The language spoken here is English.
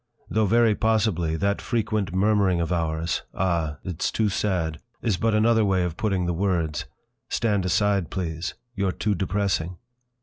Though very possibly that frequent murmuring of ours: Ah! It's too sad! is but another way of putting the words: Stand aside, please, you're too depressing!